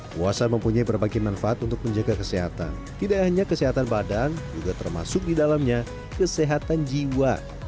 puasa mempunyai berbagai manfaat untuk menjaga kesehatan tidak hanya kesehatan badan juga termasuk di dalamnya kesehatan jiwa